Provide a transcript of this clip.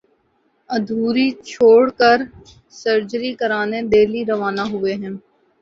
ادھوری چھوڑ کر سرجری کرانے دہلی روانہ ہوئے ہیں